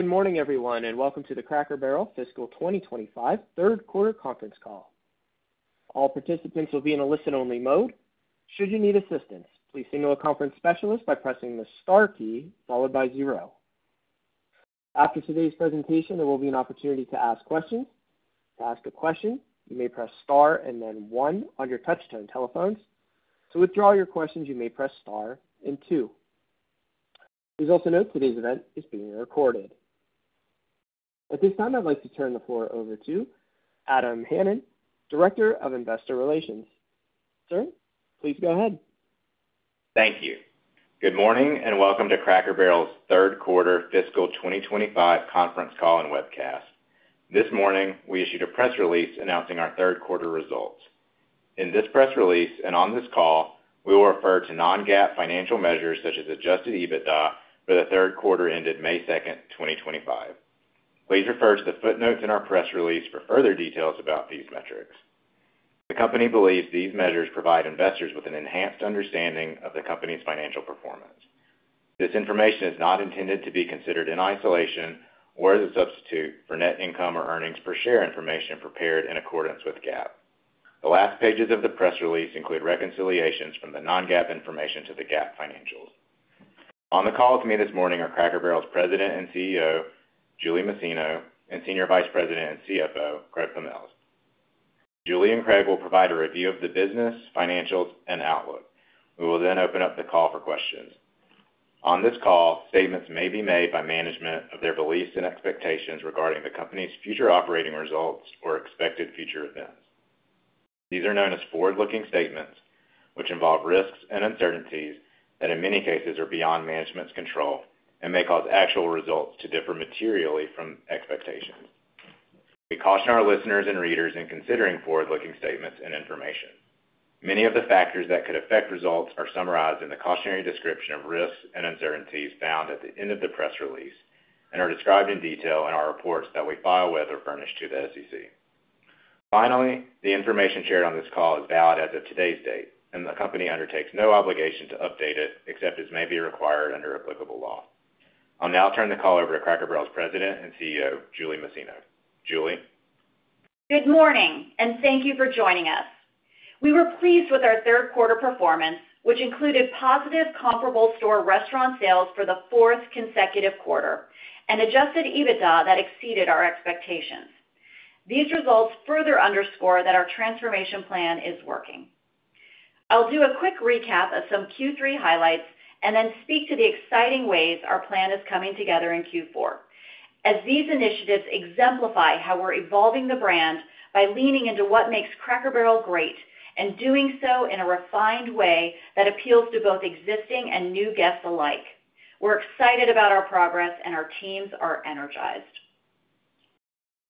Good morning, everyone, and welcome to the Cracker Barrel fiscal 2025, third quarter conference call. All participants will be in a listen-only mode. Should you need assistance, please signal a conference specialist by pressing the star key followed by zero. After today's presentation, there will be an opportunity to ask questions. To ask a question, you may press star and then one on your touchtone telephones. To withdraw your questions, you may press star and two. Please also note today's event is being recorded. At this time, I'd like to turn the floor over to Adam Hannon, Director of Investor Relations. Sir, please go ahead. Thank you. Good morning and welcome to Cracker Barrel third quarter fiscal 2025 conference call and webcast. This morning, we issued a press release announcing our third quarter results. In this press release and on this call, we will refer to non-GAAP financial measures such as adjusted EBITDA for the third quarter ended May 2, 2025. Please refer to the footnotes in our press release for further details about these metrics. The company believes these measures provide investors with an enhanced understanding of the company's financial performance. This information is not intended to be considered in isolation or as a substitute for net income or earnings per share information prepared in accordance with GAAP. The last pages of the press release include reconciliations from the non-GAAP information to the GAAP financials. On the call with me this morning are Cracker Barrel's President and CEO, Julie Masino, and Senior Vice President and CFO, Craig Pommells. Julie and Craig will provide a review of the business, financials, and outlook. We will then open up the call for questions. On this call, statements may be made by management of their beliefs and expectations regarding the company's future operating results or expected future events. These are known as forward-looking statements, which involve risks and uncertainties that in many cases are beyond management's control and may cause actual results to differ materially from expectations. We caution our listeners and readers in considering forward-looking statements and information. Many of the factors that could affect results are summarized in the cautionary description of risks and uncertainties found at the end of the press release and are described in detail in our reports that we file with or furnish to the SEC. Finally, the information shared on this call is valid as of today's date, and the company undertakes no obligation to update it except as may be required under applicable law. I'll now turn the call over to Cracker Barrel's President and CEO, Julie Masino. Julie. Good morning, and thank you for joining us. We were pleased with our third quarter performance, which included positive comparable store restaurant sales for the fourth consecutive quarter and adjusted EBITDA that exceeded our expectations. These results further underscore that our transformation plan is working. I'll do a quick recap of some Q3 highlights and then speak to the exciting ways our plan is coming together in Q4, as these initiatives exemplify how we're evolving the brand by leaning into what makes Cracker Barrel great and doing so in a refined way that appeals to both existing and new guests alike. We're excited about our progress, and our teams are energized.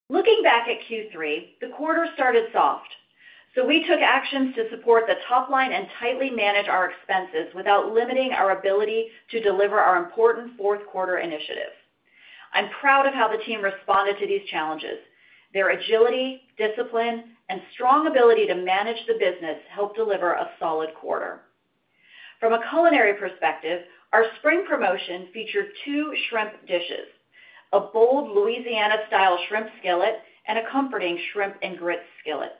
Looking back at Q3, the quarter started soft, so we took actions to support the top line and tightly manage our expenses without limiting our ability to deliver our important fourth quarter initiative. I'm proud of how the team responded to these challenges. Their agility, discipline, and strong ability to manage the business helped deliver a solid quarter. From a culinary perspective, our spring promotion featured two shrimp dishes: a bold Louisiana-style shrimp skillet and a comforting shrimp and grits skillet.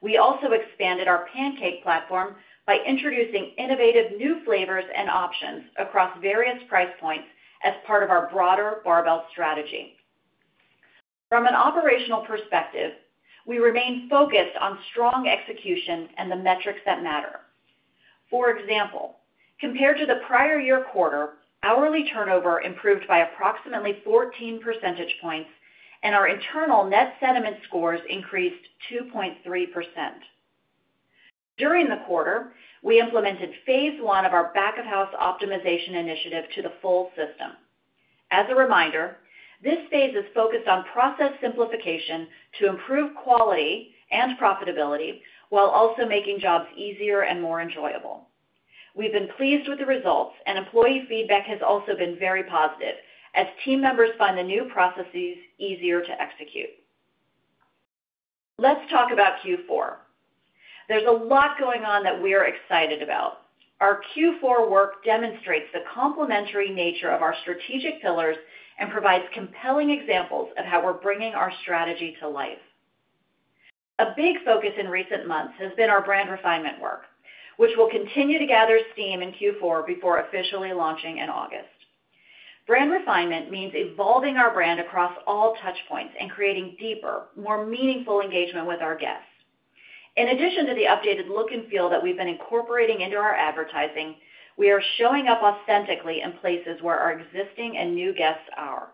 We also expanded our pancake platform by introducing innovative new flavors and options across various price points as part of our broader barbell strategy. From an operational perspective, we remain focused on strong execution and the metrics that matter. For example, compared to the prior year quarter, hourly turnover improved by approximately 14 percentage points, and our internal net sentiment scores increased 2.3%. During the quarter, we implemented phase one of our back-of-house optimization initiative to the full system. As a reminder, this phase is focused on process simplification to improve quality and profitability while also making jobs easier and more enjoyable. We've been pleased with the results, and employee feedback has also been very positive as team members find the new processes easier to execute. Let's talk about Q4. There's a lot going on that we are excited about. Our Q4 work demonstrates the complementary nature of our strategic pillars and provides compelling examples of how we're bringing our strategy to life. A big focus in recent months has been our brand refinement work, which will continue to gather steam in Q4 before officially launching in August. Brand refinement means evolving our brand across all touchpoints and creating deeper, more meaningful engagement with our guests. In addition to the updated look and feel that we've been incorporating into our advertising, we are showing up authentically in places where our existing and new guests are.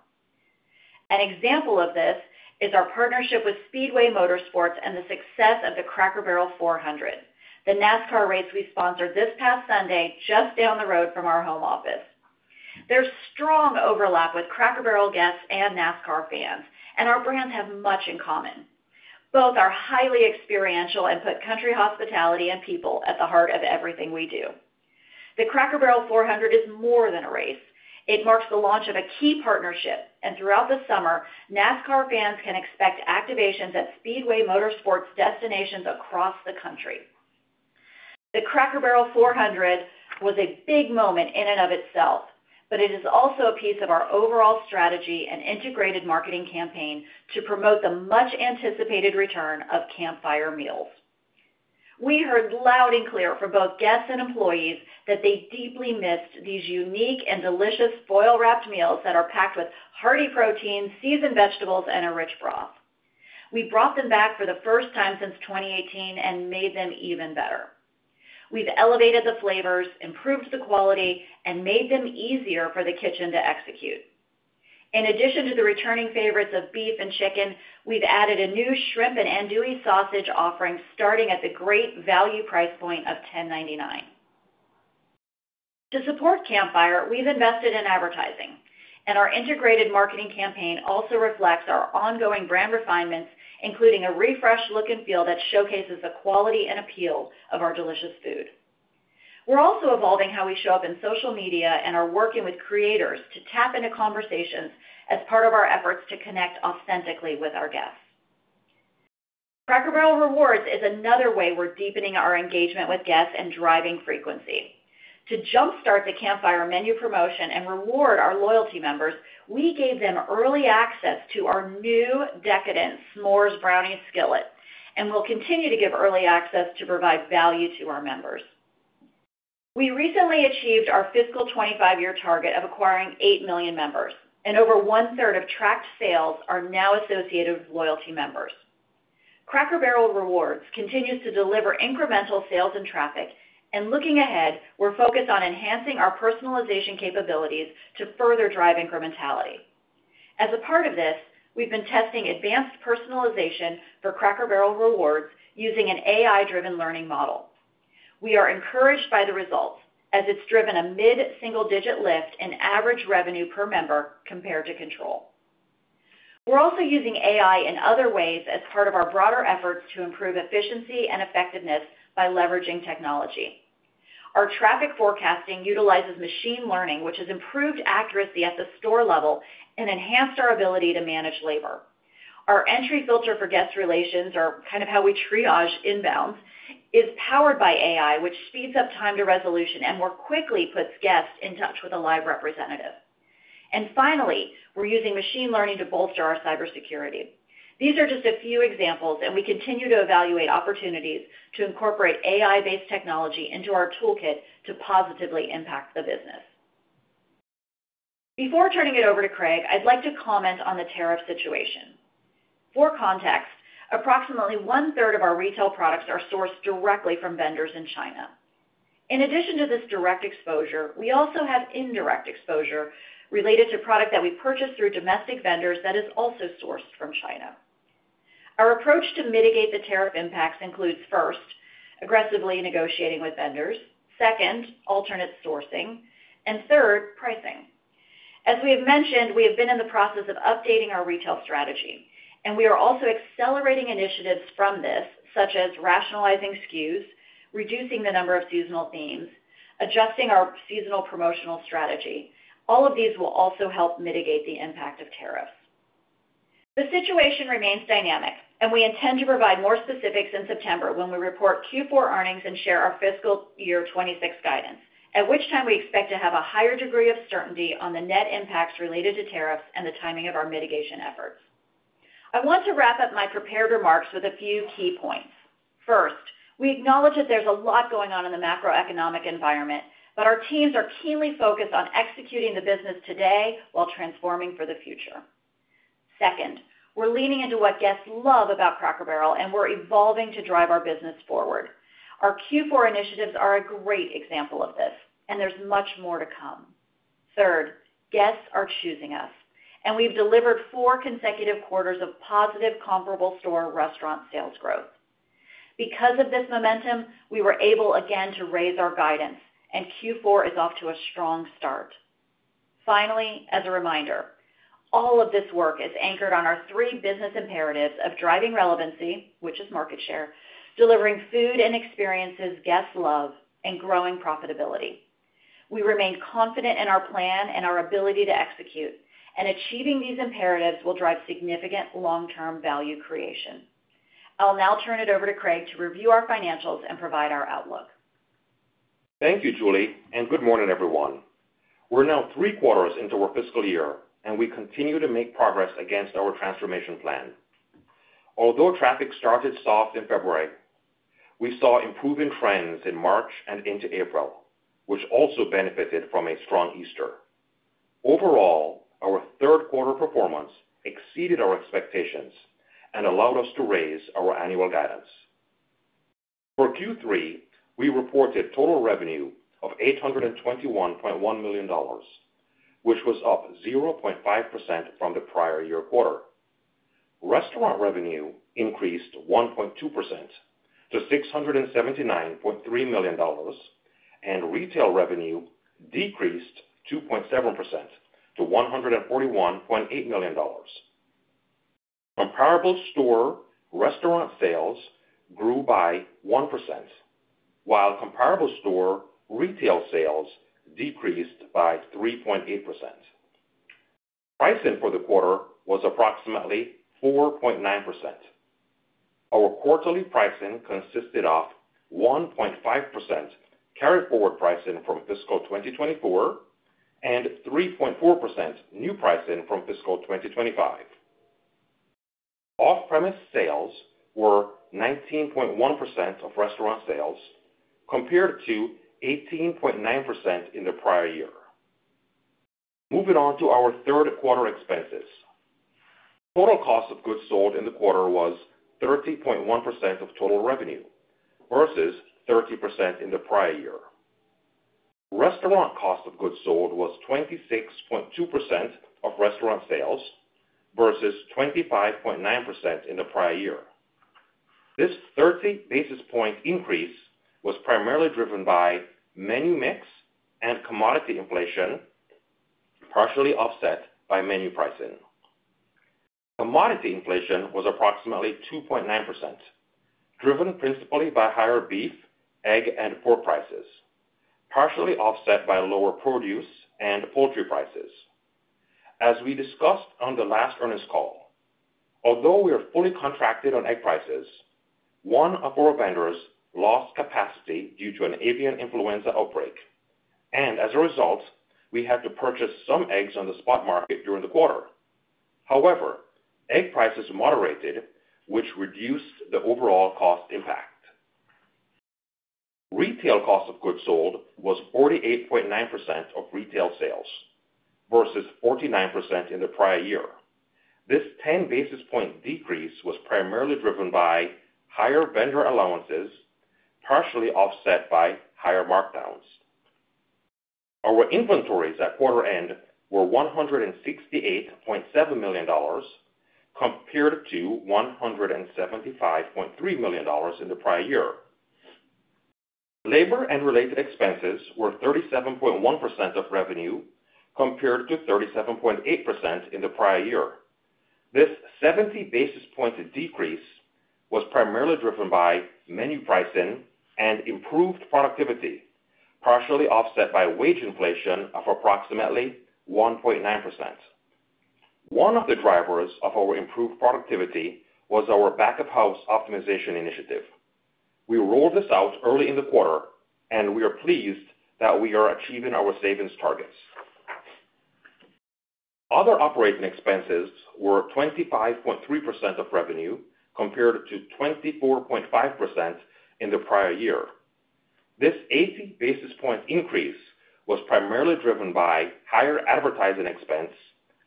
An example of this is our partnership with Speedway Motorsports and the success of the Cracker Barrel 400, the NASCAR race we sponsored this past Sunday just down the road from our home office. There is strong overlap with Cracker Barrel guests and NASCAR fans, and our brands have much in common. Both are highly experiential and put country hospitality and people at the heart of everything we do. The Cracker Barrel 400 is more than a race. It marks the launch of a key partnership, and throughout the summer, NASCAR fans can expect activations at Speedway Motorsports destinations across the country. The Cracker Barrel 400 was a big moment in and of itself, but it is also a piece of our overall strategy and integrated marketing campaign to promote the much-anticipated return of campfire meals. We heard loud and clear from both guests and employees that they deeply missed these unique and delicious foil-wrapped meals that are packed with hearty protein, seasoned vegetables, and a rich broth. We brought them back for the first time since 2018 and made them even better. We've elevated the flavors, improved the quality, and made them easier for the kitchen to execute. In addition to the returning favorites of beef and chicken, we've added a new shrimp and andouille sausage offering starting at the great value price point of $10.99. To support Campfire meals, we've invested in advertising, and our integrated marketing campaign also reflects our ongoing brand refinements, including a refreshed look and feel that showcases the quality and appeal of our delicious food. We're also evolving how we show up in social media and are working with creators to tap into conversations as part of our efforts to connect authentically with our guests. Cracker Barrel Rewards is another way we're deepening our engagement with guests and driving frequency. To jump-start the campfire menu promotion and reward our loyalty members, we gave them early access to our new decadent S'mores brownie skillet, and we'll continue to give early access to provide value to our members. We recently achieved our fiscal 2025 year-target of acquiring 8 million members, and over one-third of tracked sales are now associated with loyalty members. Cracker Barrel Rewards continues to deliver incremental sales and traffic, and looking ahead, we're focused on enhancing our personalization capabilities to further drive incrementality. As a part of this, we've been testing advanced personalization for Cracker Barrel Rewards using an AI-driven learning model. We are encouraged by the results as it's driven a mid-single-digit lift in average revenue per member compared to control. We're also using AI in other ways as part of our broader efforts to improve efficiency and effectiveness by leveraging technology. Our traffic forecasting utilizes machine learning, which has improved accuracy at the store level and enhanced our ability to manage labor. Our entry filter for guest relations, or kind of how we triage inbounds, is powered by AI, which speeds up time to resolution and more quickly puts guests in touch with a live representative. Finally, we're using machine learning to bolster our cybersecurity. These are just a few examples, and we continue to evaluate opportunities to incorporate AI-based technology into our toolkit to positively impact the business. Before turning it over to Craig, I'd like to comment on the tariff situation. For context, approximately one-third of our retail products are sourced directly from vendors in China. In addition to this direct exposure, we also have indirect exposure related to product that we purchase through domestic vendors that is also sourced from China. Our approach to mitigate the tariff impacts includes, first, aggressively negotiating with vendors, second, alternate sourcing, and third, pricing. As we have mentioned, we have been in the process of updating our retail strategy, and we are also accelerating initiatives from this, such as rationalizing SKUs, reducing the number of seasonal themes, and adjusting our seasonal promotional strategy. All of these will also help mitigate the impact of tariffs. The situation remains dynamic, and we intend to provide more specifics in September when we report Q4 earnings and share our fiscal year 2026 guidance, at which time we expect to have a higher degree of certainty on the net impacts related to tariffs and the timing of our mitigation efforts. I want to wrap up my prepared remarks with a few key points. First, we acknowledge that there's a lot going on in the macroeconomic environment, but our teams are keenly focused on executing the business today while transforming for the future. Second, we're leaning into what guests love about Cracker Barrel, and we're evolving to drive our business forward. Our Q4 initiatives are a great example of this, and there's much more to come. Third, guests are choosing us, and we've delivered four consecutive quarters of positive comparable store restaurant sales growth. Because of this momentum, we were able again to raise our guidance, and Q4 is off to a strong start. Finally, as a reminder, all of this work is anchored on our three business imperatives of driving relevancy, which is market share, delivering food and experiences guests love, and growing profitability. We remain confident in our plan and our ability to execute, and achieving these imperatives will drive significant long-term value creation. I'll now turn it over to Craig to review our financials and provide our outlook. Thank you, Julie, and good morning, everyone. We're now three quarters into our fiscal year, and we continue to make progress against our transformation plan. Although traffic started soft in February, we saw improving trends in March and into April, which also benefited from a strong Easter. Overall, our third quarter performance exceeded our expectations and allowed us to raise our annual guidance. For Q3, we reported total revenue of $821.1 million, which was up 0.5% from the prior year quarter. Restaurant revenue increased 1.2% to $679.3 million, and retail revenue decreased 2.7% to $141.8 million. Comparable store restaurant sales grew by 1%, while comparable store retail sales decreased by 3.8%. Pricing for the quarter was approximately 4.9%. Our quarterly pricing consisted of 1.5% carry-forward pricing from fiscal 2024 and 3.4% new pricing from fiscal 2025. Off-premise sales were 19.1% of restaurant sales compared to 18.9% in the prior year. Moving on to our third quarter expenses. Total cost of goods sold in the quarter was 30.1% of total revenue versus 30% in the prior year. Restaurant cost of goods sold was 26.2% of restaurant sales versus 25.9% in the prior year. This 30 basis point increase was primarily driven by menu mix and commodity inflation, partially offset by menu pricing. Commodity inflation was approximately 2.9%, driven principally by higher beef, egg, and pork prices, partially offset by lower produce and poultry prices. As we discussed on the last earnings call, although we are fully contracted on egg prices, one of our vendors lost capacity due to an avian influenza outbreak, and as a result, we had to purchase some eggs on the spot market during the quarter. However, egg prices moderated, which reduced the overall cost impact. Retail cost of goods sold was 48.9% of retail sales versus 49% in the prior year. This 10 basis point decrease was primarily driven by higher vendor allowances, partially offset by higher markdowns. Our inventories at quarter end were $168.7 million compared to $175.3 million in the prior year. Labor and related expenses were 37.1% of revenue compared to 37.8% in the prior year. This 70 basis point decrease was primarily driven by menu pricing and improved productivity, partially offset by wage inflation of approximately 1.9%. One of the drivers of our improved productivity was our back-of-house optimization initiative. We rolled this out early in the quarter, and we are pleased that we are achieving our savings targets. Other operating expenses were 25.3% of revenue compared to 24.5% in the prior year. This 80 basis point increase was primarily driven by higher advertising expense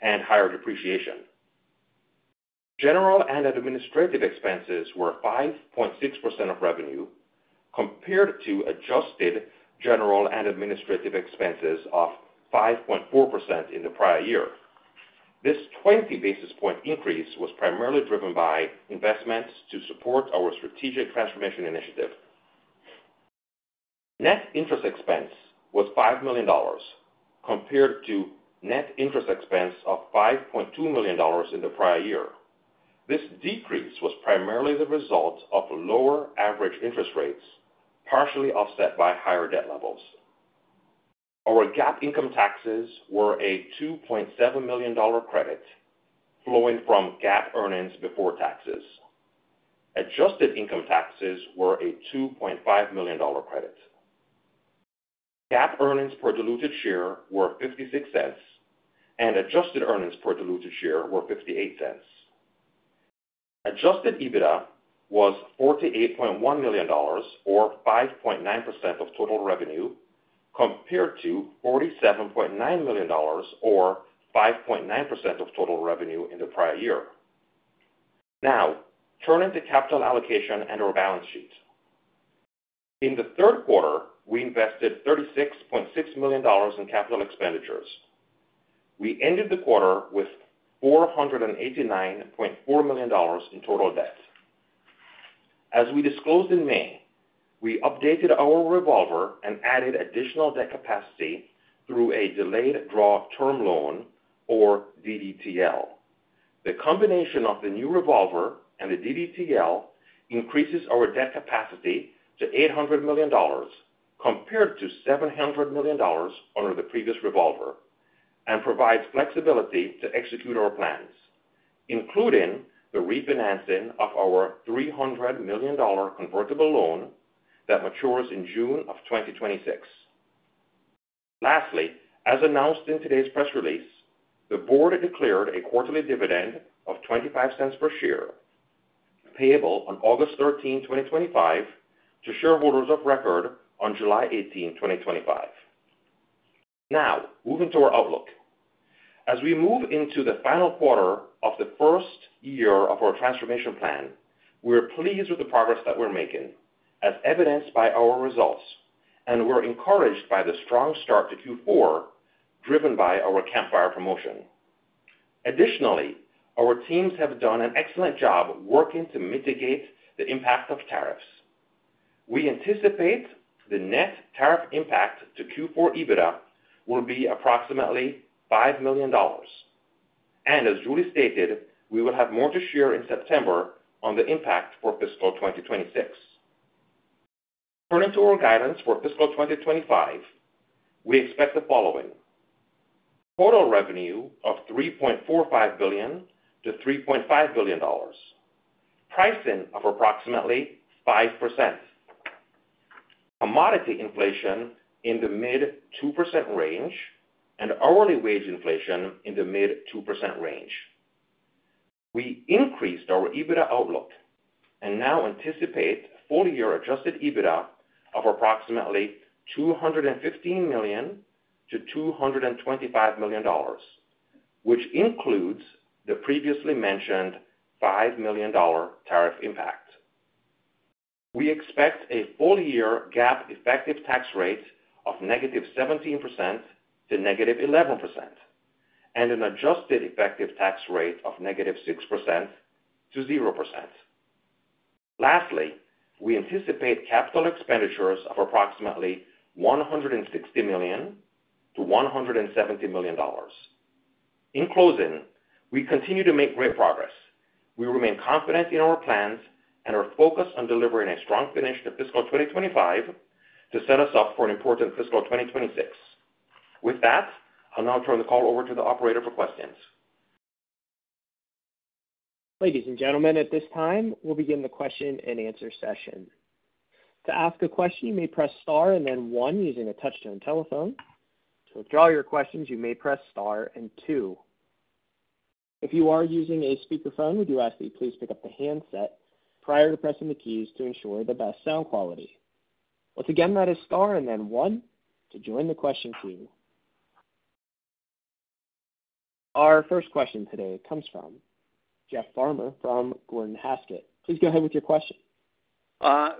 and higher depreciation. General and administrative expenses were 5.6% of revenue compared to adjusted general and administrative expenses of 5.4% in the prior year. This 20 basis point increase was primarily driven by investments to support our strategic transformation initiative. Net interest expense was $5 million compared to net interest expense of $5.2 million in the prior year. This decrease was primarily the result of lower average interest rates, partially offset by higher debt levels. Our GAAP income taxes were a $2.7 million credit flowing from GAAP earnings before taxes. Adjusted income taxes were a $2.5 million credit. GAAP earnings per diluted share were $0.56, and adjusted earnings per diluted share were $0.58. Adjusted EBITDA was $48.1 million, or 5.9% of total revenue, compared to $47.9 million, or 5.9% of total revenue in the prior year. Now, turning to capital allocation and our balance sheet. In the third quarter, we invested $36.6 million in capital expenditures. We ended the quarter with $489.4 million in total debt. As we disclosed in May, we updated our revolver and added additional debt capacity through a delayed draw term loan, or DDTL. The combination of the new revolver and the DDTL increases our debt capacity to $800 million compared to $700 million under the previous revolver and provides flexibility to execute our plans, including the refinancing of our $300 million convertible loan that matures in June of 2026. Lastly, as announced in today's press release, the board declared a quarterly dividend of $0.25 per share, payable on August 13, 2025, to shareholders of record on July 18, 2025. Now, moving to our outlook. As we move into the final quarter of the first year of our transformation plan, we are pleased with the progress that we're making, as evidenced by our results, and we're encouraged by the strong start to Q4 driven by our campfire promotion. Additionally, our teams have done an excellent job working to mitigate the impact of tariffs. We anticipate the net tariff impact to Q4 EBITDA will be approximately $5 million. As Julie stated, we will have more to share in September on the impact for fiscal 2026. Turning to our guidance for fiscal 2025, we expect the following: total revenue of $3.45 billion-$3.5 billion, pricing of approximately 5%, commodity inflation in the mid 2% range, and hourly wage inflation in the mid 2% range. We increased our EBITDA outlook and now anticipate full-year adjusted EBITDA of approximately $215 million-$225 million, which includes the previously mentioned $5 million tariff impact. We expect a full-year GAAP effective tax rate of negative 17% to negative 11% and an adjusted effective tax rate of negative 6% to 0%. Lastly, we anticipate capital expenditures of approximately $160 million-$170 million. In closing, we continue to make great progress. We remain confident in our plans and are focused on delivering a strong finish to fiscal 2025 to set us up for an important fiscal 2026. With that, I'll now turn the call over to the operator for questions. Ladies and gentlemen, at this time, we'll begin the question and answer session. To ask a question, you may press Star and then One using a touch-tone telephone. To withdraw your questions, you may press Star and Two. If you are using a speakerphone, we ask that you please pick up the handset prior to pressing the keys to ensure the best sound quality. Once again, that is Star and then One to join the question queue. Our first question today comes from Jeff Farmer from Gordon Haskett. Please go ahead with your question.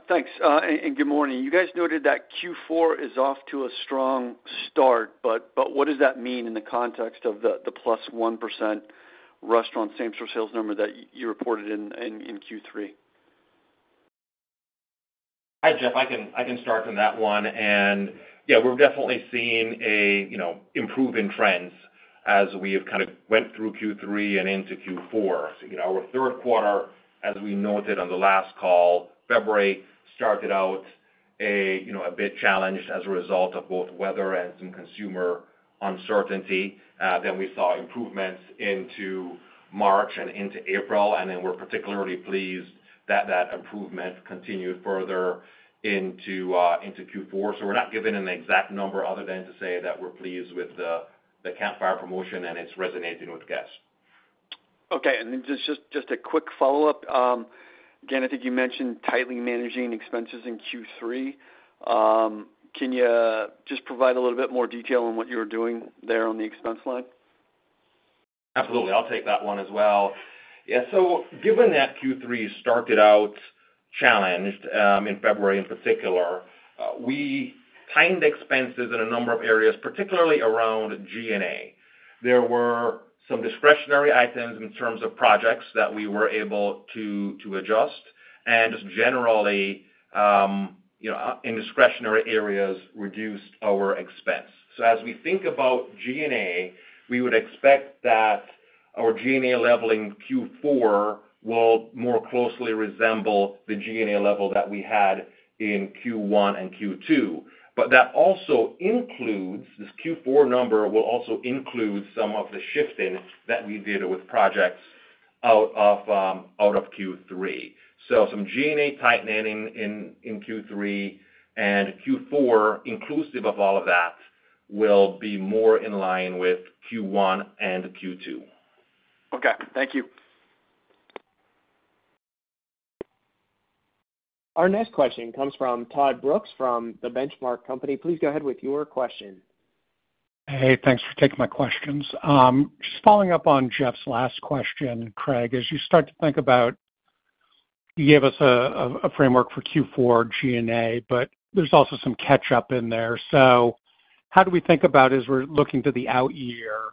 Thanks. Good morning. You guys noted that Q4 is off to a strong start, but what does that mean in the context of the plus 1% restaurant same-store sales number that you reported in Q3? Hi, Jeff. I can start on that one. Yeah, we're definitely seeing improving trends as we have kind of went through Q3 and into Q4. Our third quarter, as we noted on the last call, February started out a bit challenged as a result of both weather and some consumer uncertainty. We saw improvements into March and into April, and we're particularly pleased that that improvement continued further into Q4. We're not giving an exact number other than to say that we're pleased with the campfire promotion and it's resonating with guests. Okay. Just a quick follow-up. Again, I think you mentioned tightly managing expenses in Q3. Can you just provide a little bit more detail on what you were doing there on the expense line? Absolutely. I'll take that one as well. Yeah. Given that Q3 started out challenged in February in particular, we tightened expenses in a number of areas, particularly around G&A. There were some discretionary items in terms of projects that we were able to adjust, and just generally, indiscretionary areas reduced our expense. As we think about G&A, we would expect that our G&A level in Q4 will more closely resemble the G&A level that we had in Q1 and Q2. That also includes this Q4 number will also include some of the shifting that we did with projects out of Q3. Some G&A tightening in Q3 and Q4 inclusive of all of that will be more in line with Q1 and Q2. Okay. Thank you. Our next question comes from Todd Brooks from The Benchmark Company. Please go ahead with your question. Hey, thanks for taking my questions. Just following up on Jeff's last question, Craig, as you start to think about you gave us a framework for Q4 G&A, but there's also some catch-up in there. How do we think about as we're looking to the out-year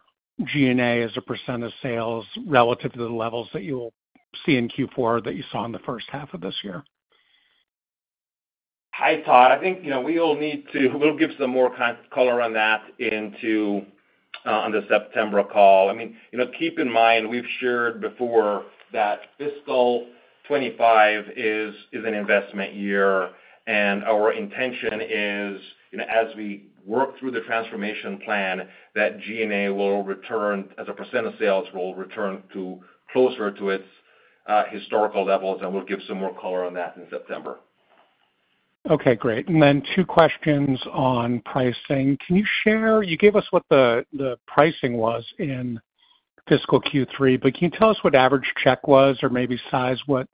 G&A as a percent of sales relative to the levels that you will see in Q4 that you saw in the first half of this year? Hi, Todd. I think we all need to, we'll give some more color on that in the September call. I mean, keep in mind we've shared before that fiscal 2025 is an investment year, and our intention is as we work through the transformation plan that G&A as a percent of sales will return to closer to its historical levels, and we'll give some more color on that in September. Okay. Great. Two questions on pricing. Can you share, you gave us what the pricing was in fiscal Q3, but can you tell us what average check was or maybe size what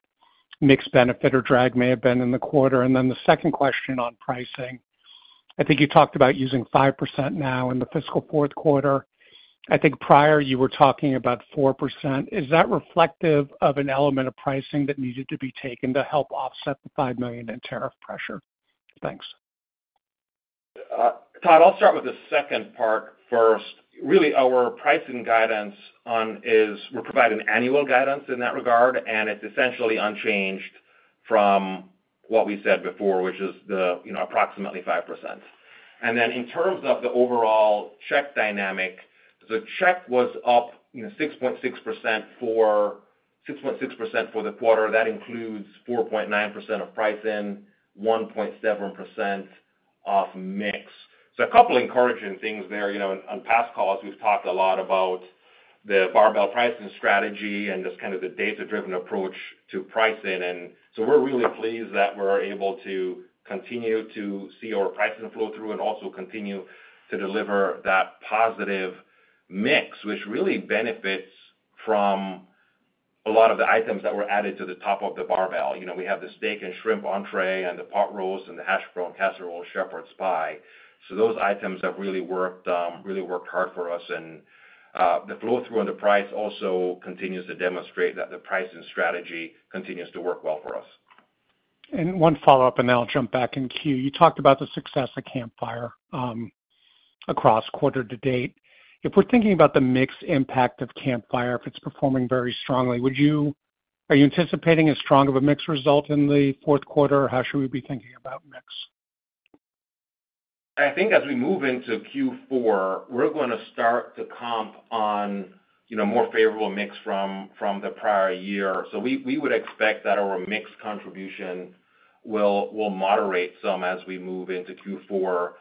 mixed benefit or drag may have been in the quarter? The second question on pricing, I think you talked about using 5% now in the fiscal fourth quarter. I think prior you were talking about 4%. Is that reflective of an element of pricing that needed to be taken to help offset the $5 million in tariff pressure? Thanks. Todd, I'll start with the second part first. Really, our pricing guidance is we provide an annual guidance in that regard, and it's essentially unchanged from what we said before, which is the approximately 5%. In terms of the overall check dynamic, the check was up 6.6% for the quarter. That includes 4.9% of pricing, 1.7% of mix. A couple of encouraging things there. On past calls, we've talked a lot about the barbell pricing strategy and just kind of the data-driven approach to pricing. We're really pleased that we're able to continue to see our pricing flow through and also continue to deliver that positive mix, which really benefits from a lot of the items that were added to the top of the barbell. We have the steak and shrimp entrée and the pot roast and the hash brown casserole and shepherd's pie. Those items have really worked hard for us. The flow through on the price also continues to demonstrate that the pricing strategy continues to work well for us. One follow-up, and then I'll jump back in queue. You talked about the success of campfire across quarter to date. If we're thinking about the mixed impact of campfire, if it's performing very strongly, are you anticipating a stronger mixed result in the fourth quarter, or how should we be thinking about mix? I think as we move into Q4, we're going to start to comp on more favorable mix from the prior year. We would expect that our mixed contribution will moderate some as we move into Q4,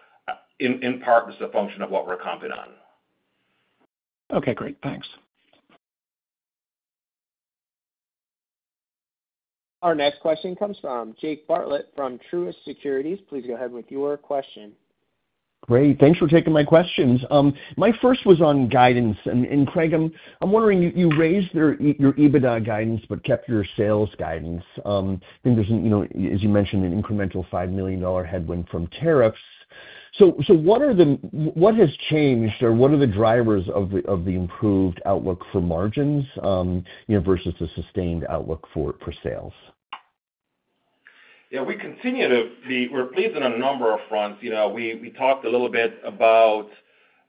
in part, as a function of what we're comping on. Okay. Great. Thanks. Our next question comes from Jake Bartlett from Truist Securities. Please go ahead with your question. Great. Thanks for taking my questions. My first was on guidance. Craig, I'm wondering, you raised your EBITDA guidance but kept your sales guidance. I think there's, as you mentioned, an incremental $5 million headwind from tariffs. What has changed, or what are the drivers of the improved outlook for margins versus the sustained outlook for sales? Yeah. We continue to be, we're pleased on a number of fronts. We talked a little bit about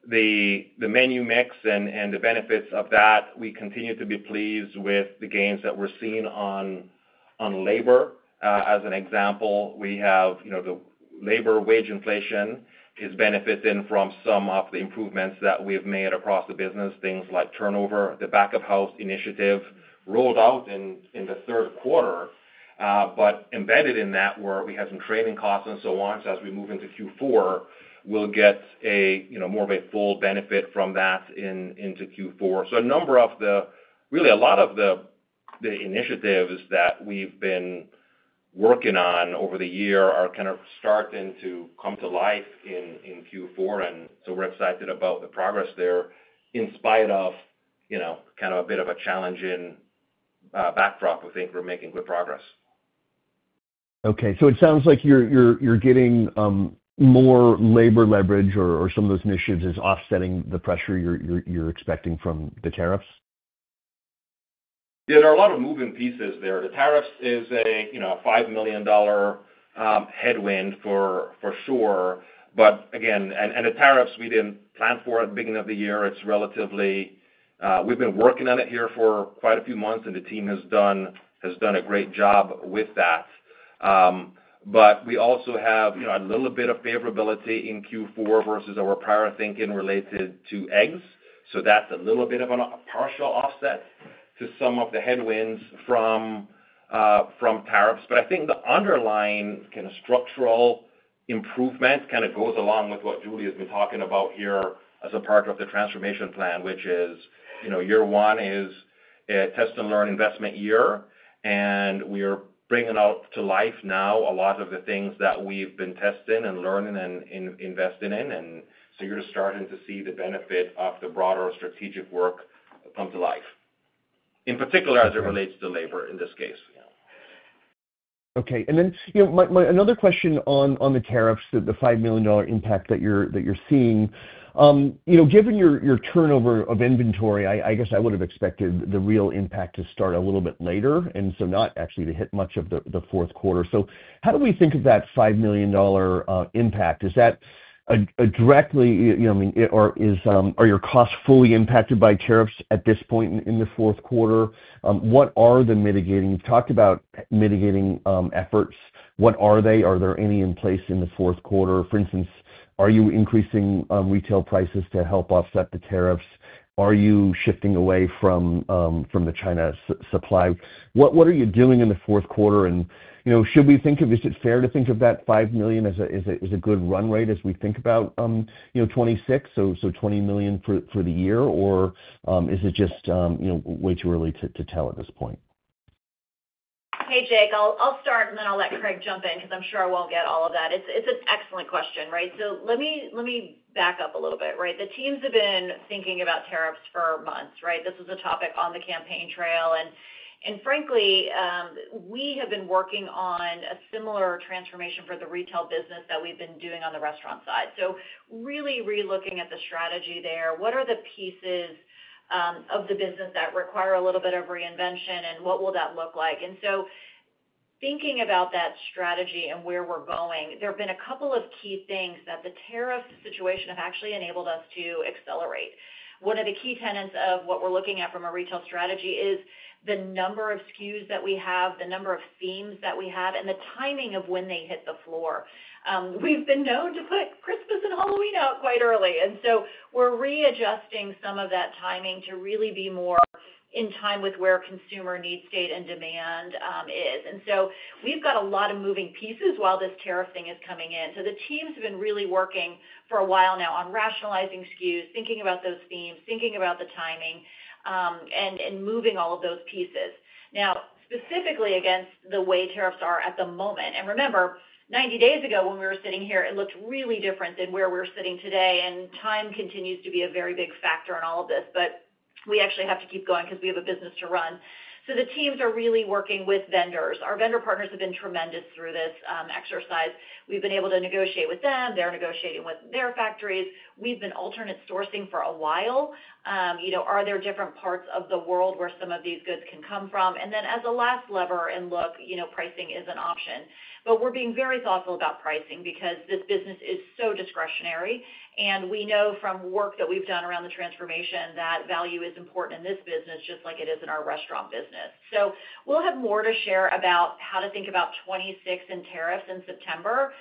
the menu mix and the benefits of that. We continue to be pleased with the gains that we're seeing on labor. As an example, we have the labor wage inflation is benefiting from some of the improvements that we have made across the business, things like turnover. The back-of-house initiative rolled out in the third quarter, but embedded in that, where we have some training costs and so on. As we move into Q4, we'll get more of a full benefit from that into Q4. A number of the really, a lot of the initiatives that we've been working on over the year are kind of starting to come to life in Q4. We're excited about the progress there in spite of kind of a bit of a challenging backdrop. We think we're making good progress. Okay. So it sounds like you're getting more labor leverage, or some of those initiatives is offsetting the pressure you're expecting from the tariffs? Yeah. There are a lot of moving pieces there. The tariffs is a $5 million headwind for sure. Again, the tariffs, we didn't plan for at the beginning of the year. It's relatively, we've been working on it here for quite a few months, and the team has done a great job with that. We also have a little bit of favorability in Q4 versus our prior thinking related to eggs. That's a little bit of a partial offset to some of the headwinds from tariffs. I think the underlying kind of structural improvement kind of goes along with what Julie has been talking about here as a part of the transformation plan, which is year one is a test and learn investment year. We are bringing out to life now a lot of the things that we've been testing and learning and investing in. You are starting to see the benefit of the broader strategic work come to life, in particular as it relates to labor in this case. Okay. Another question on the tariffs, the $5 million impact that you're seeing. Given your turnover of inventory, I guess I would have expected the real impact to start a little bit later and not actually to hit much of the fourth quarter. How do we think of that $5 million impact? Is that directly, I mean, are your costs fully impacted by tariffs at this point in the fourth quarter? What are the mitigating, you've talked about mitigating efforts. What are they? Are there any in place in the fourth quarter? For instance, are you increasing retail prices to help offset the tariffs? Are you shifting away from the China supply? What are you doing in the fourth quarter? Is it fair to think of that $5 million as a good run rate as we think about 2026, so $20 million for the year? Or is it just way too early to tell at this point? Hey, Jake. I'll start, and then I'll let Craig jump in because I'm sure I won't get all of that. It's an excellent question, right? Let me back up a little bit, right? The teams have been thinking about tariffs for months, right? This was a topic on the campaign trail. Frankly, we have been working on a similar transformation for the retail business that we've been doing on the restaurant side. Really relooking at the strategy there, what are the pieces of the business that require a little bit of reinvention, and what will that look like? Thinking about that strategy and where we're going, there have been a couple of key things that the tariff situation have actually enabled us to accelerate. One of the key tenets of what we're looking at from a retail strategy is the number of SKUs that we have, the number of themes that we have, and the timing of when they hit the floor. We've been known to put Christmas and Halloween out quite early. We are readjusting some of that timing to really be more in time with where consumer needs state and demand is. We have a lot of moving pieces while this tariff thing is coming in. The teams have been really working for a while now on rationalizing SKUs, thinking about those themes, thinking about the timing, and moving all of those pieces. Now, specifically against the way tariffs are at the moment. Remember, 90 days ago when we were sitting here, it looked really different than where we're sitting today. Time continues to be a very big factor in all of this, but we actually have to keep going because we have a business to run. The teams are really working with vendors. Our vendor partners have been tremendous through this exercise. We've been able to negotiate with them. They're negotiating with their factories. We've been alternate sourcing for a while. Are there different parts of the world where some of these goods can come from? As a last lever, and look, pricing is an option. We're being very thoughtful about pricing because this business is so discretionary. We know from work that we've done around the transformation that value is important in this business just like it is in our restaurant business. We will have more to share about how to think about 2026 and tariffs in September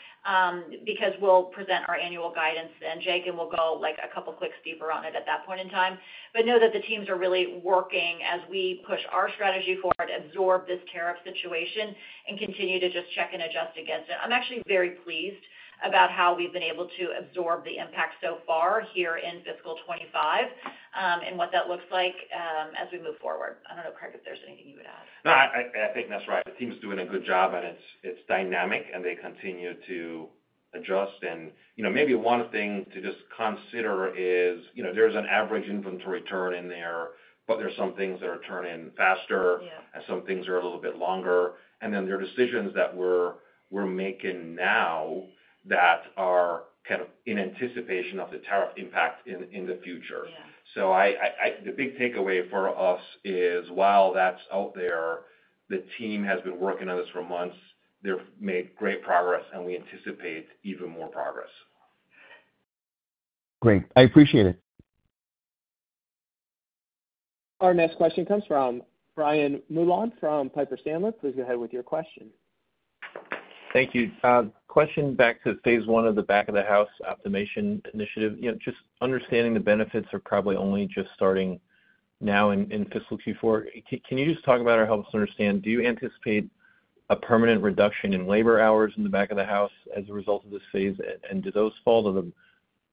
because we will present our annual guidance then, Jake, and we will go a couple of clicks deeper on it at that point in time. Know that the teams are really working as we push our strategy forward, absorb this tariff situation, and continue to just check and adjust against it. I am actually very pleased about how we have been able to absorb the impact so far here in fiscal 2025 and what that looks like as we move forward. I do not know, Craig, if there is anything you would add. No, I think that's right. The team's doing a good job, and it's dynamic, and they continue to adjust. Maybe one thing to just consider is there's an average inventory turn in there, but there are some things that are turning faster, and some things are a little bit longer. There are decisions that we're making now that are kind of in anticipation of the tariff impact in the future. The big takeaway for us is while that's out there, the team has been working on this for months. They've made great progress, and we anticipate even more progress. Great. I appreciate it. Our next question comes from Brian Mullan from Piper Sandler. Please go ahead with your question. Thank you. Question back to phase one of the back-of-house optimization initiative. Just understanding the benefits are probably only just starting now in fiscal Q4. Can you just talk about or help us understand, do you anticipate a permanent reduction in labor hours in the back of the house as a result of this phase? Do those fall to the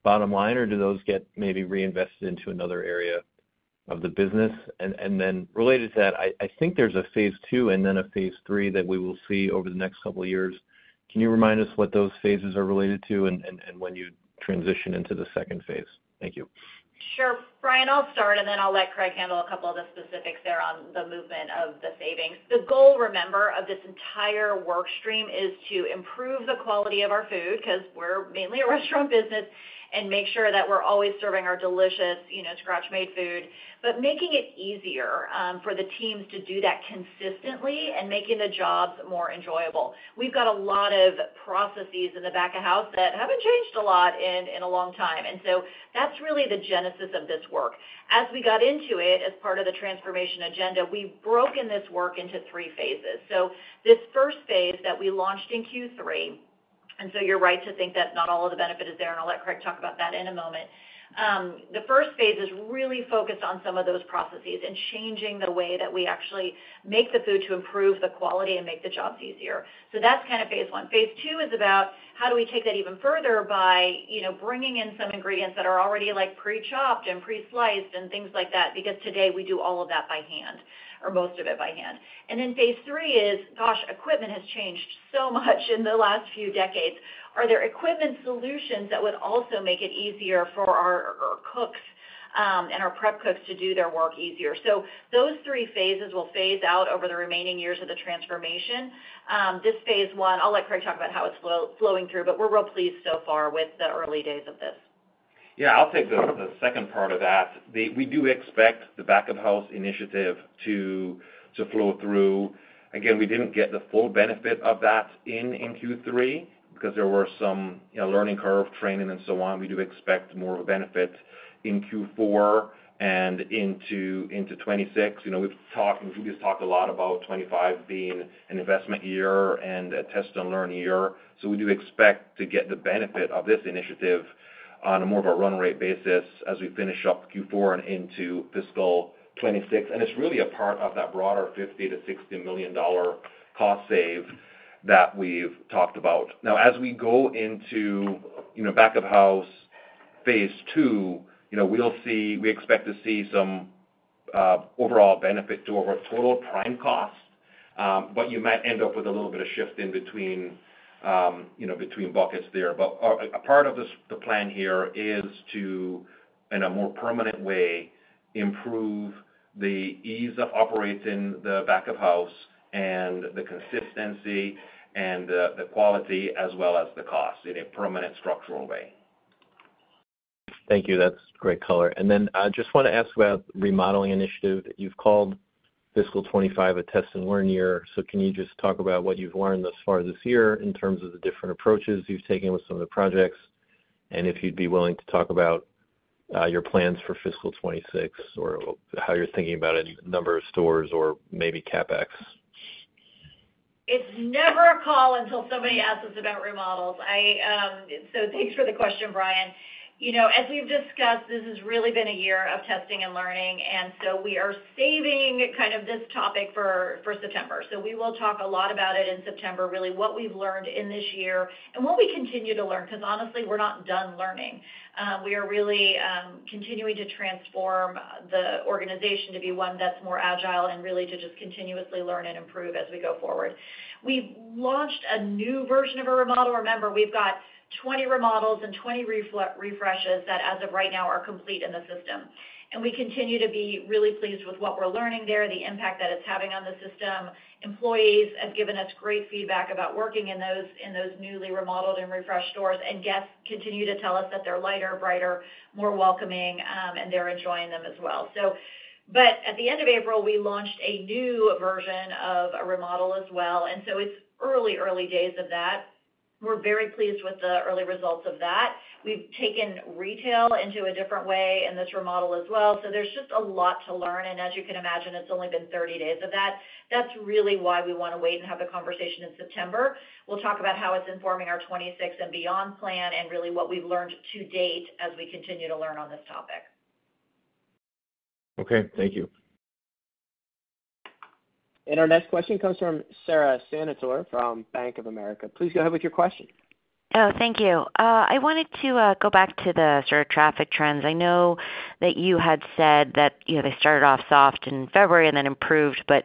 bottom line, or do those get maybe reinvested into another area of the business? Related to that, I think there's a phase two and then a phase three that we will see over the next couple of years. Can you remind us what those phases are related to and when you transition into the second phase? Thank you. Sure. Brian, I'll start, and then I'll let Craig handle a couple of the specifics there on the movement of the savings. The goal, remember, of this entire workstream is to improve the quality of our food because we're mainly a restaurant business and make sure that we're always serving our delicious scratch-made food, but making it easier for the teams to do that consistently and making the jobs more enjoyable. We've got a lot of processes in the back of house that haven't changed a lot in a long time. That's really the genesis of this work. As we got into it as part of the transformation agenda, we've broken this work into three phases. This first phase that we launched in Q3, and you're right to think that not all of the benefit is there, and I'll let Craig talk about that in a moment. The first phase is really focused on some of those processes and changing the way that we actually make the food to improve the quality and make the jobs easier. That's kind of phase one. Phase two is about how do we take that even further by bringing in some ingredients that are already pre-chopped and pre-sliced and things like that because today we do all of that by hand, or most of it by hand. Phase three is, gosh, equipment has changed so much in the last few decades. Are there equipment solutions that would also make it easier for our cooks and our prep cooks to do their work easier? Those three phases will phase out over the remaining years of the transformation. This phase one, I'll let Craig talk about how it's flowing through, but we're real pleased so far with the early days of this. Yeah. I'll take the second part of that. We do expect the back-of-house initiative to flow through. Again, we didn't get the full benefit of that in Q3 because there were some learning curve, training, and so on. We do expect more of a benefit in Q4 and into 2026. We've talked and Julie's talked a lot about 2025 being an investment year and a test and learn year. We do expect to get the benefit of this initiative on more of a run rate basis as we finish up Q4 and into fiscal 2026. It is really a part of that broader $50-$60 million cost save that we've talked about. Now, as we go into back-of-house phase two, we expect to see some overall benefit to our total prime cost, but you might end up with a little bit of shifting between buckets there. A part of the plan here is to, in a more permanent way, improve the ease of operating the back-of-house and the consistency and the quality as well as the cost in a permanent structural way. Thank you. That's great color. I just want to ask about the remodeling initiative that you've called fiscal 2025 a test and learn year. Can you just talk about what you've learned thus far this year in terms of the different approaches you've taken with some of the projects? If you'd be willing to talk about your plans for fiscal 2026 or how you're thinking about it in the number of stores or maybe CapEx? It's never a call until somebody asks us about remodels. Thanks for the question, Brian. As we've discussed, this has really been a year of testing and learning. We are saving kind of this topic for September. We will talk a lot about it in September, really what we've learned in this year and what we continue to learn because honestly, we're not done learning. We are really continuing to transform the organization to be one that's more agile and really to just continuously learn and improve as we go forward. We've launched a new version of a remodel. Remember, we've got 20 remodels and 20 refreshes that, as of right now, are complete in the system. We continue to be really pleased with what we're learning there, the impact that it's having on the system. Employees have given us great feedback about working in those newly remodeled and refreshed stores. Guests continue to tell us that they're lighter, brighter, more welcoming, and they're enjoying them as well. At the end of April, we launched a new version of a remodel as well. It is early, early days of that. We're very pleased with the early results of that. We've taken retail into a different way in this remodel as well. There is just a lot to learn. As you can imagine, it's only been 30 days of that. That is really why we want to wait and have a conversation in September. We'll talk about how it's informing our 2026 and beyond plan and really what we've learned to date as we continue to learn on this topic. Okay. Thank you. Our next question comes from Sara Senatore from Bank of America. Please go ahead with your question. Oh, thank you. I wanted to go back to the sort of traffic trends. I know that you had said that they started off soft in February and then improved. I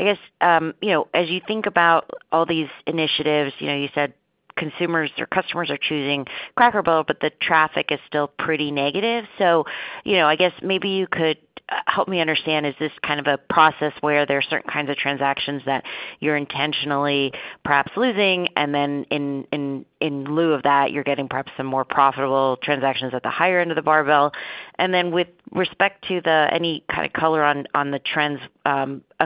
guess as you think about all these initiatives, you said consumers or customers are choosing Cracker Barrel, but the traffic is still pretty negative. I guess maybe you could help me understand, is this kind of a process where there are certain kinds of transactions that you're intentionally perhaps losing, and then in lieu of that, you're getting perhaps some more profitable transactions at the higher end of the barbell? With respect to any kind of color on the trends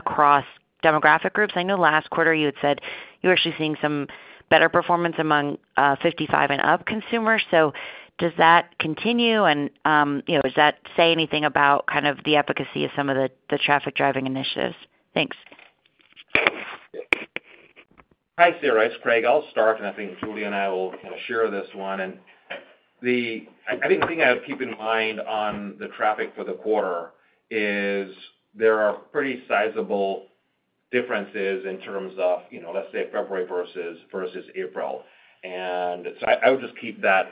across demographic groups, I know last quarter you had said you were actually seeing some better performance among 55 and up consumers. Does that continue? Does that say anything about kind of the efficacy of some of the traffic driving initiatives? Thanks. Hi, Sarah. It's Craig. I'll start, and I think Julie and I will kind of share this one. The thing I keep in mind on the traffic for the quarter is there are pretty sizable differences in terms of, let's say, February versus April. I would just keep that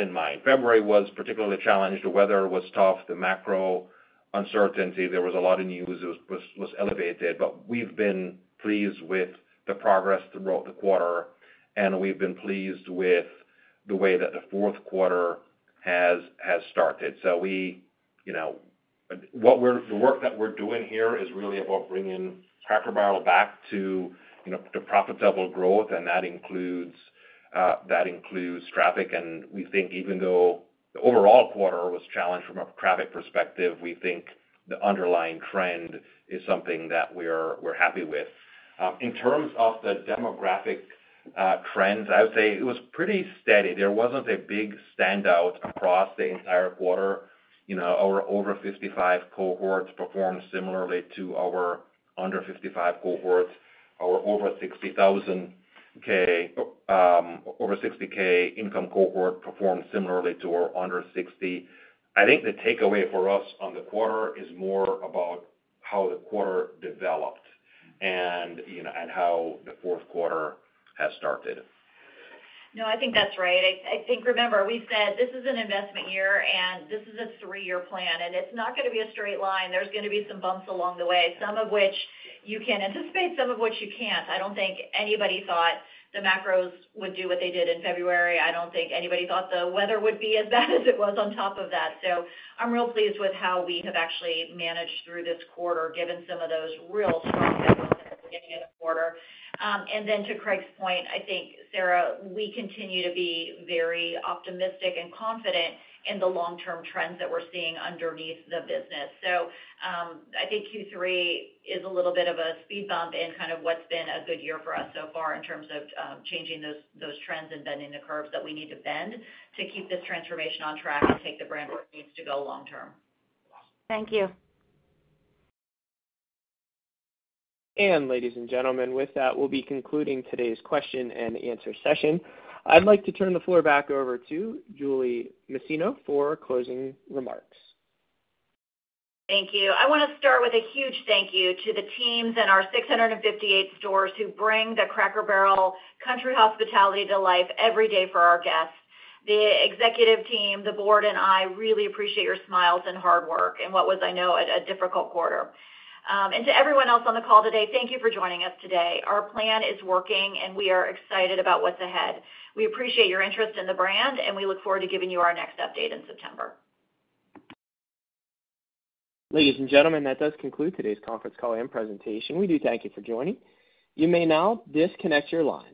in mind. February was particularly challenged. The weather was tough, the macro uncertainty. There was a lot of news that was elevated. We've been pleased with the progress throughout the quarter, and we've been pleased with the way that the fourth quarter has started. The work that we're doing here is really about bringing Cracker Barrel back to profitable growth, and that includes traffic. We think even though the overall quarter was challenged from a traffic perspective, we think the underlying trend is something that we're happy with. In terms of the demographic trends, I would say it was pretty steady. There was not a big standout across the entire quarter. Our over-55 cohorts performed similarly to our under-55 cohorts. Our over-$60,000 income cohort performed similarly to our under-$60,000. I think the takeaway for us on the quarter is more about how the quarter developed and how the fourth quarter has started. No, I think that's right. I think, remember, we said this is an investment year, and this is a three-year plan. It's not going to be a straight line. There's going to be some bumps along the way, some of which you can anticipate, some of which you can't. I don't think anybody thought the macros would do what they did in February. I don't think anybody thought the weather would be as bad as it was on top of that. I'm real pleased with how we have actually managed through this quarter, given some of those real strong headwinds at the beginning of the quarter. To Craig's point, I think, Sarah, we continue to be very optimistic and confident in the long-term trends that we're seeing underneath the business. I think Q3 is a little bit of a speed bump in kind of what's been a good year for us so far in terms of changing those trends and bending the curves that we need to bend to keep this transformation on track and take the brand where it needs to go long-term. Thank you. Ladies and gentlemen, with that, we'll be concluding today's question and answer session. I'd like to turn the floor back over to Julie Masino for closing remarks. Thank you. I want to start with a huge thank you to the teams and our 658 stores who bring the Cracker Barrel Country Hospitality to life every day for our guests. The executive team, the board, and I really appreciate your smiles and hard work in what was, I know, a difficult quarter. To everyone else on the call today, thank you for joining us today. Our plan is working, and we are excited about what's ahead. We appreciate your interest in the brand, and we look forward to giving you our next update in September. Ladies and gentlemen, that does conclude today's conference call and presentation. We do thank you for joining. You may now disconnect your line.